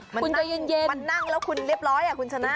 มันนั่งแล้วคุณเรียบร้อยคุณชนะ